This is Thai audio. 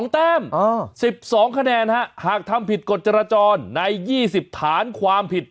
แต้ม๑๒คะแนนหากทำผิดกฎจราจรใน๒๐ฐานความผิด